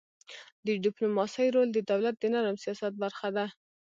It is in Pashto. د ډيپلوماسی رول د دولت د نرم سیاست برخه ده.